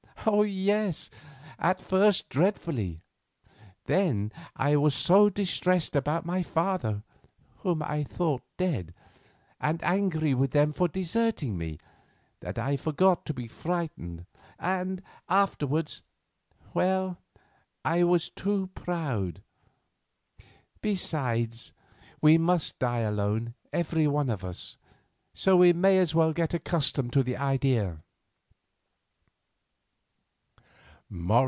"Yes, at first, dreadfully; then I was so distressed about my father, whom I thought dead, and angry with them for deserting me, that I forgot to be frightened, and afterwards—well, I was too proud. Besides, we must die alone, every one of us, so we may as well get accustomed to the idea."